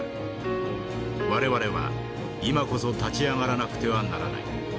我々は今こそ立ち上がらなくてはならない。